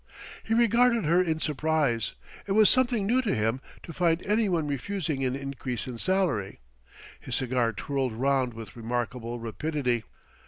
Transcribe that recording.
He regarded her in surprise. It was something new to him to find anyone refusing an increase in salary. His cigar twirled round with remarkable rapidity.